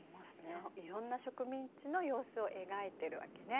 そういろんな植民地の様子を描いてるわけね。